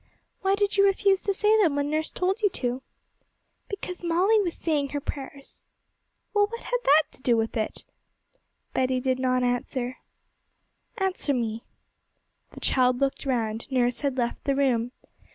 'Why did you refuse to say them when nurse told you to?' 'Because Molly was saying her prayers.' 'Well, what had that to do with it?' Betty did not answer. 'Answer me.' The child looked round; nurse had left the room.